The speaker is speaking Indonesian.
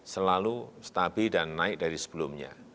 selalu stabil dan naik dari sebelumnya